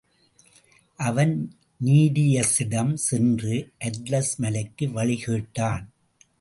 அவன் நீரியஸிடம் சென்று, அட்லஸ் மலைக்கு வழி கேட்டான்.